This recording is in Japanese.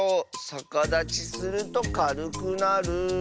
さかだちするとかるくなる。